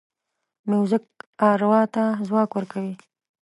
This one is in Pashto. موزیک اروا ته ځواک ورکوي.